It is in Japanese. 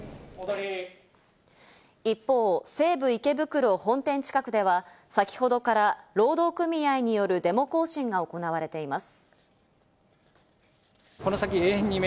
一方、西武池袋本店近くでは先ほどから労働組合によるデモ行進が行われています。